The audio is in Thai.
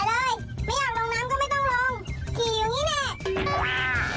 อ้าวไปเลยไม่อยากลงน้ำก็ไม่ต้องลงขี่อยู่อย่างนี้แน่